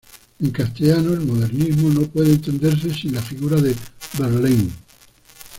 En castellano, el modernismo no puede entenderse sin la figura de Verlaine.